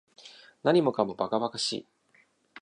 何もかも馬鹿馬鹿しい